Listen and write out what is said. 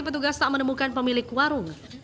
petugas tak menemukan pemilik warung